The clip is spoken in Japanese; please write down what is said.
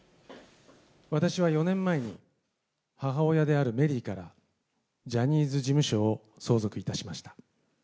私は４年前に母親であるメリーから、ジャニーズ事務所を相続いたしました。